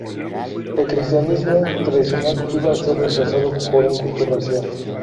El cristianismo tradicional iba a ser reemplazado por un culto racial.